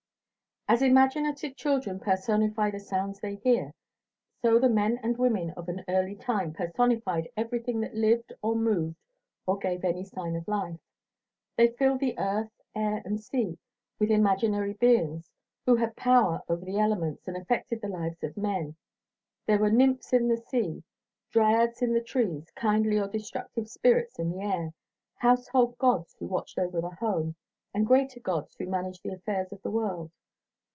As imaginative children personify the sounds they hear, so the men and women of an early time personified everything that lived or moved or gave any sign of life. They filled the earth, air, and sea with imaginary beings who had power over the elements and affected the lives of men. There were nymphs in the sea, dryads in the trees, kindly or destructive spirits in the air, household gods who watched over the home, and greater gods who managed the affairs of the world.